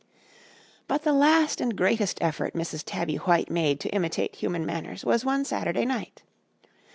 "But the last and greatest effort Mrs. Tabby White made to imitate human manners was one Saturday night.